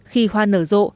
khi hoa nở rộ